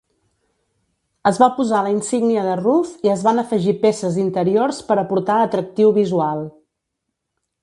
Es va posar la insígnia de Ruf i es van afegir peces interiors per aportar atractiu visual.